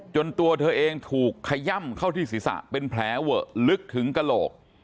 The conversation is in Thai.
ตัวเธอเองถูกขย่ำเข้าที่ศีรษะเป็นแผลเวอะลึกถึงกระโหลก